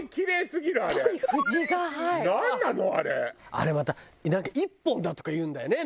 あれまたなんか１本だとかいうんだよね。